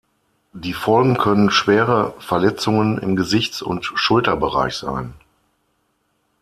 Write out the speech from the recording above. Die Folgen können schwere Verletzungen im Gesichts- und Schulterbereich sein.